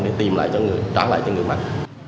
để tìm lại cho người trả lại cho người mặc